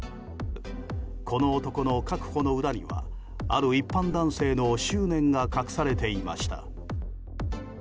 この男の確保の裏にはある一般男性の執念が隠されていました。